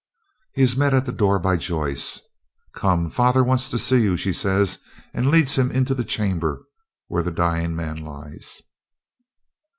He is met at the door by Joyce. "Come, father wants to see you," she says, and leads him into the chamber where the dying man lies.